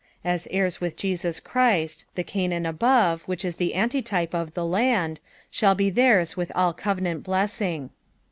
''' As heirs with Jesus Christ, the Canaan above, which is the antitype of " the land," shall be theirs with all covenant blessing.